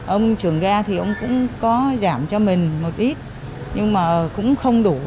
ông trưởng ga thì ông cũng có giảm cho mình một ít nhưng mà cũng không đủ